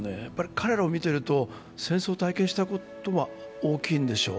彼らを見てると、戦争体験したことは大きいんでしょう。